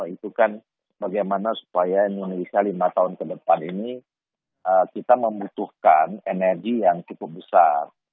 itu kan bagaimana supaya indonesia lima tahun ke depan ini kita membutuhkan energi yang cukup besar